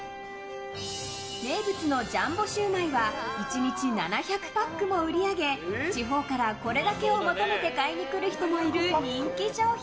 名物のジャンボシューマイは１日７００パックも売り上げ地方からこれだけを求めて買いに来る人もいる人気商品。